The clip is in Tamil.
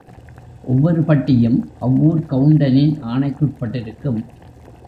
ஒவ்வொரு பட்டியும், அவ்வூர்க் கவுண்டனின் ஆணைக்குட்பட்டிருக்கும்.